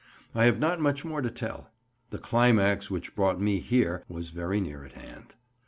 I have not much more to tell; the climax which brought me here was very near at hand.